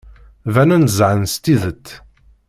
Banen-d zhan s tidet.